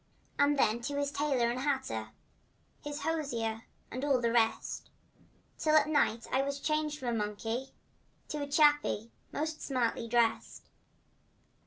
And then to his tailor and hatter— His hosier and all of the rest, Till at night I was changed from a monkey To a chappie most stylishly dressed.